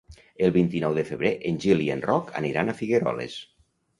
El vint-i-nou de febrer en Gil i en Roc aniran a Figueroles.